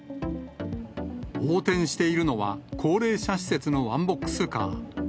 横転しているのは、高齢者施設のワンボックスカー。